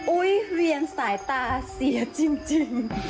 อุ๊ยเวียนสายตาเสียจริง